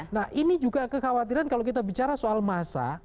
nah ini juga kekhawatiran kalau kita bicara soal masa